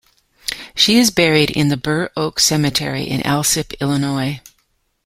She is buried in the Burr Oak Cemetery in Alsip, Illinois.